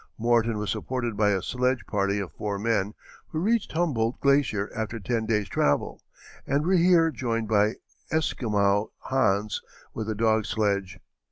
Morton was supported by a sledge party of four men, who reached Humboldt glacier after ten days' travel, and were here joined by Esquimau Hans with a dog sledge.